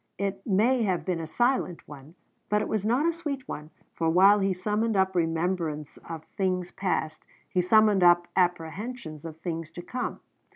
It may have been a silent one, but it was not a sweet one; for while he summoned up remembrance of things past, he summoned up apprehensions of things to come.